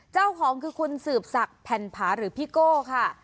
เจ้าของคือคุณสืบศักดิ์แผ่นผาหรือพี่โก้ค่ะ